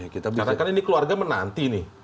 karena kan ini keluarga menanti nih